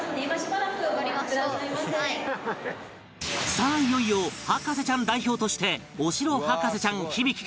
さあいよいよ博士ちゃん代表としてお城博士ちゃん響大君